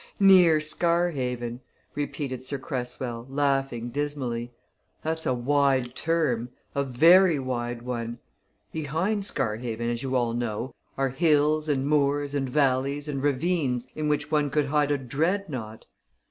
"Near Scarhaven!" repeated Sir Cresswell, laughing dismally. "That's a wide term a very wide one. Behind Scarhaven, as you all know, are hills and moors and valleys and ravines in which one could hide a Dreadnought!